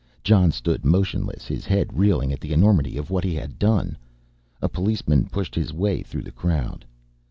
Jon stood motionless, his head reeling at the enormity of what he had done. A policeman pushed his way through the crowd.